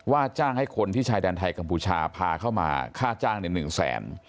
จ้างให้คนที่ชายแดนไทยกัมพูชาพาเข้ามาค่าจ้างใน๑แสน